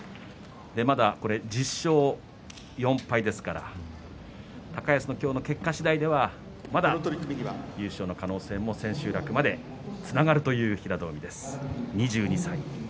まだ１０勝４敗ですから高安の今日の結果次第ではまだ優勝の可能性も千秋楽までつながるという平戸海です。